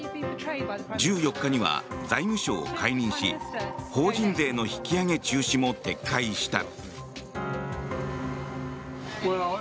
１４日には財務相を解任し法人税の引き上げ中止も撤回した。